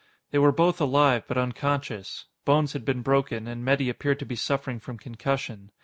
They were both alive, but unconscious. Bones had been broken, and Metty appeared to be suffering from concussion.